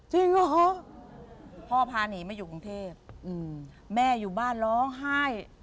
เหรอพ่อพาหนีมาอยู่กรุงเทพแม่อยู่บ้านร้องไห้